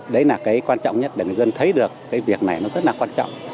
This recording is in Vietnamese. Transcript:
đấy là cái quan trọng nhất để người dân thấy được cái việc này nó rất là quan trọng